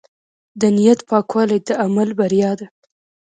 د نیت پاکوالی د عمل بریا ده.